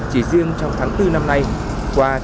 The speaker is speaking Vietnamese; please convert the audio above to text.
chỉ xe quá khổ quá tải là xe quá khổ quá tải